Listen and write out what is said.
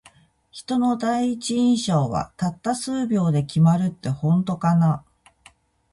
人の第一印象は、たった数秒で決まるって本当かな。